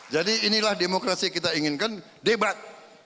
jadi inilah demokrasi kita inginkan debat